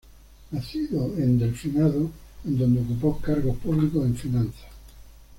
Nacido en el Delfinado, en donde ocupó cargos públicos en finanzas.